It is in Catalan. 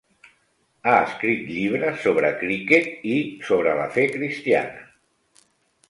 Ha escrit llibres sobre criquet i sobre la fe cristiana.